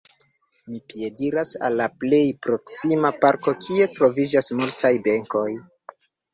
Mi piediras al la plej proksima parko, kie troviĝas multaj benkoj.